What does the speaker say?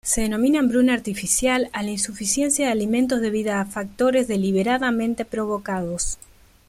Se denomina hambruna artificial a la insuficiencia de alimentos debida a factores deliberadamente provocados.